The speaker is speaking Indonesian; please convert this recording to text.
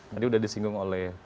tadi udah disinggung oleh